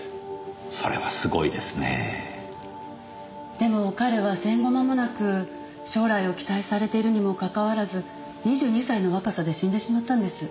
でも彼は戦後間もなく将来を期待されているにもかかわらず２２歳の若さで死んでしまったんです。